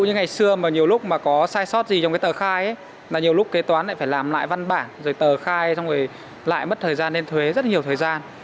nhiều lúc kê toán lại phải làm lại văn bản rồi tờ khai rồi lại mất thời gian lên thuế rất nhiều thời gian